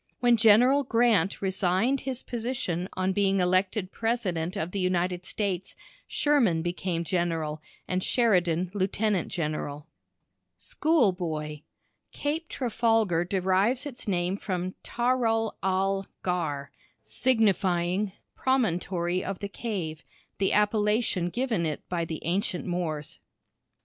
When General Grant resigned his position on being elected President of the United States, Sherman became General, and Sheridan Lieutenant General. "SCHOOL BOY." Cape Trafalgar derives its name from Taral al ghar signifying "promontory of the cave" the appellation given it by the ancient Moors.